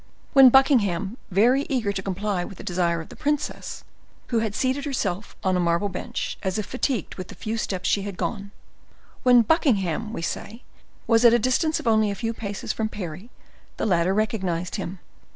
When Buckingham, very eager to comply with the desire of the princess, who had seated herself on a marble bench, as if fatigued with the few steps she had gone,—when Buckingham, we say, was at a distance of only a few paces from Parry, the latter recognized him.